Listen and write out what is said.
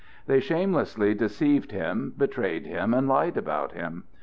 They shamelessly deceived him, betrayed him, and lied about him.